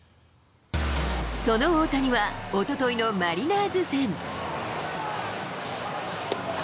その大谷は、おとといのマリナーズ戦。